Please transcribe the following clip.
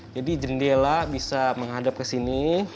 jadi jendela bisa menghadap ke sini